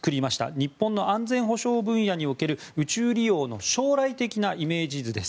日本の安全保障分野における宇宙利用の将来的なイメージ図です。